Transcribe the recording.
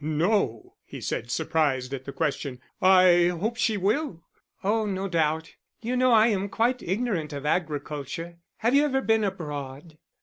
"No," he said, surprised at the question; "I hope she will." "Oh, no doubt. You know I am quite ignorant of agriculture. Have you ever been abroad?"